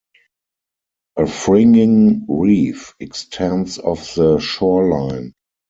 A fringing reef extends off the shoreline.